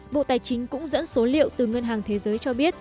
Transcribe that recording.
bộ tài chính cũng dẫn số liệu từ ngân hàng thế giới cho biết